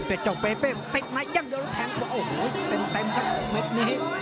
เบเฟ่แบเฟ่เต็ดในยังโอ้โหเต็มข้าวเม็ดนี้